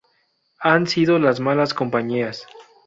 han sido las malas compañías